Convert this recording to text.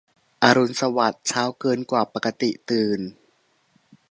อรุณสวัสดิ์ เช้าเกินกว่าปกติตื่น